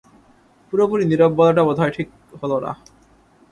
পুরোপুরি নীরব বলাটা বোধহয় ঠিক হল না।